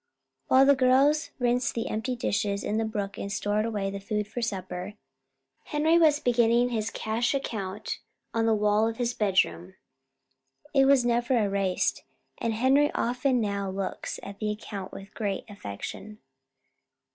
While the girls rinsed the empty dishes in the brook and stored away the food for supper, Henry was beginning his cash account on the wall of his bedroom. It was never erased, and Henry often now looks at the account with great affection.